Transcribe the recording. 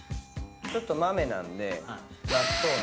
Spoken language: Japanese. ちょっと豆なんで納豆の。